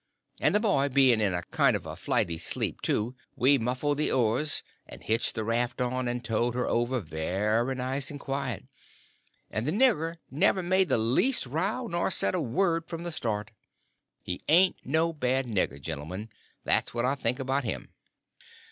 And the boy being in a kind of a flighty sleep, too, we muffled the oars and hitched the raft on, and towed her over very nice and quiet, and the nigger never made the least row nor said a word from the start. He ain't no bad nigger, gentlemen; that's what I think about him."